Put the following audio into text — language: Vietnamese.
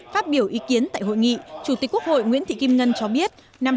phát biểu ý kiến tại hội nghị chủ tịch quốc hội nguyễn thị kim ngân cho biết